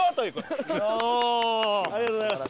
ありがとうございます。